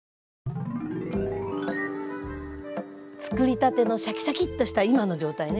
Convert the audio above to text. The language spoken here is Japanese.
つくりたてのシャキシャキッとした今の状態ね